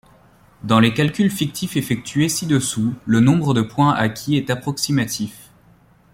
Dans les calculs fictifs effectués ci-dessous, le nombre de points acquis est approximatif.